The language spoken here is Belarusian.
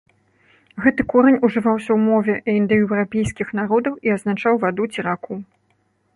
Гэты корань ужываўся ў мове індаеўрапейскіх народаў і азначаў ваду ці, раку.